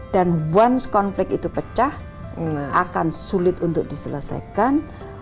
dan once conflict itu pecah akan sulit untuk diselesaikan